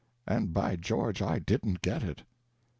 And by George I didn't get it."